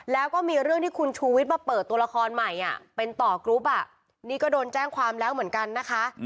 แล้วก็มีเรื่องที่คุณชูวิทย์มาเปิดตัวละครใหม่เป็นต่อกรุ๊ปนี่ก็โดนแจ้งความแล้วเหมือนกันนะคะ